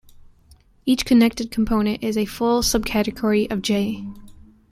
Each connected component is a full subcategory of "J".